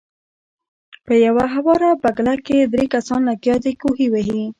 پۀ يوه هواره بګله کښې درې کسان لګيا دي کوهے وهي